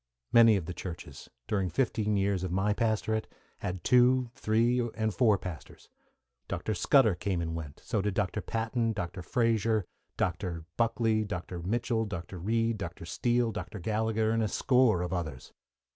Many of the churches, during fifteen years of my pastorate, had two, three, and four pastors. Dr. Scudder came and went; so did Dr. Patten, Dr. Frazer, Dr. Buckley, Dr. Mitchell, Dr. Reid, Dr. Steele, Dr. Gallagher, and a score of others.